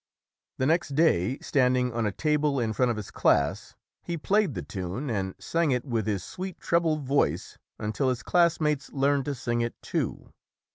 The next day, standing on a table in front of his class, he played the tune and sang it with his sweet treble voice until his classmates learned to sing it too.